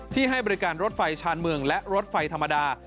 ให้บริการรถไฟชาญเมืองและรถไฟธรรมดา